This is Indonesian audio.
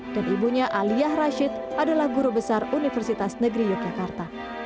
dan ibunya aliyah rashid adalah guru besar universitas negeri yogyakarta